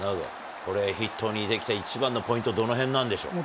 これヒットにできた一番のポイント、どのへんなんでしょうか。